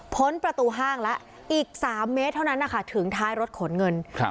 ประตูห้างแล้วอีก๓เมตรเท่านั้นนะคะถึงท้ายรถขนเงิน